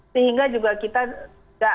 sehingga juga kita tidak